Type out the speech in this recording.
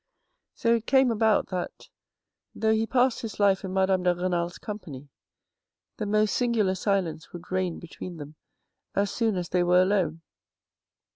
So it came about that, though he passed his life in Madame de Renal's company, the most singular silence would reign between them as soon as they were alone.